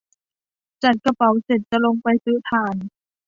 จัดกระเป๋าเสร็จจะลงไปซื้อถ่าน